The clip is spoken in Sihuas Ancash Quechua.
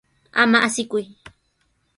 Ama asiyku.